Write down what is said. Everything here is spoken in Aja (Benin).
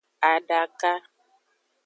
Adaka.